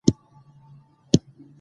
په دی مبارک ایت کی